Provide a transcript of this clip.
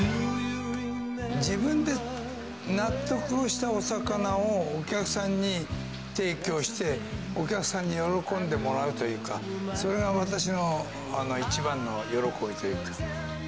自分で納得をしたお魚をお客さんに提供して、お客さんに喜んでもらうというか、それが私の一番の喜びというか。